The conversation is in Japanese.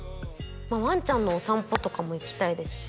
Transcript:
わんちゃんのお散歩とかも行きたいですし